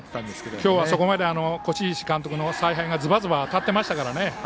今日は、そこまで輿石監督の采配がずばずば当たっていましたからね。